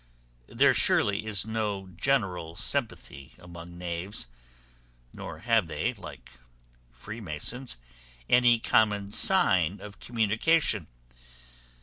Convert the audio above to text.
There surely is no general sympathy among knaves; nor have they, like freemasons, any common sign of communication.